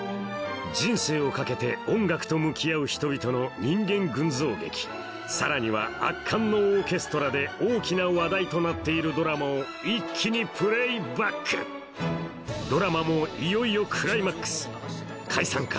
人生を懸けて音楽と向き合う人々の人間群像劇さらには圧巻のオーケストラで大きな話題となっているドラマを一気にプレイバックドラマもいよいよクライマックス解散か？